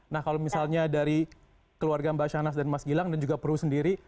nah kalau misalnya dari keluarga mbak shanas dan mas gilang dan juga peru sendiri